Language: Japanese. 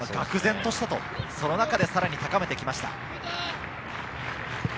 愕然としたと、その中でさらに高めてきました。